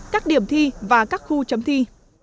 các điểm thi và các khu chấm thi